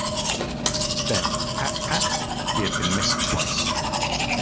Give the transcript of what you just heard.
Then, pat, pat; he had been missed twice.